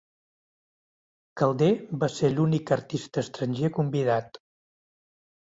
Calder va ser l'únic artista estranger convidat.